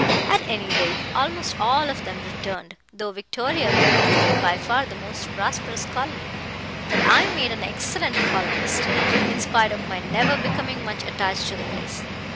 At any rate, almost all of them returned, though Victoria appeared to be by far the most prosperous colony. But I made an excellent colonist, in spite of my never becoming much attached to the place.